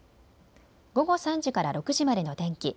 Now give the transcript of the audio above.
午後３時から６時までの天気。